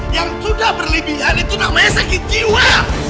yang sudah berlebihan itu namanya sakit jiwa